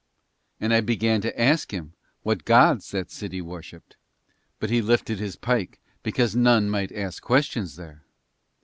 And I began to ask him what gods that city worshipped, but he lifted his pike because none might ask questions there.